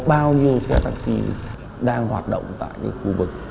bán cho anh